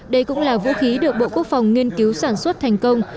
đây cũng là vũ khí được bộ quốc phòng nghiên cứu sản xuất thành công